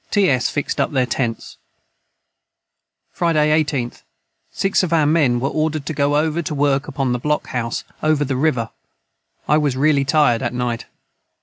ts fixed up their tents. Friday 18th. 6 of our men were ordered to go over to work upon the Block House over the river I was raly tired at night.